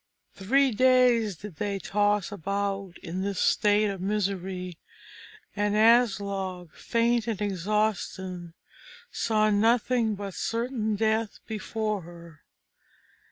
Three days did they toss about in this state of misery, and Aslog, faint and exhausted, saw nothing but certain death before her.